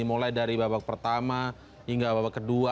mulai dari babak pertama hingga babak kedua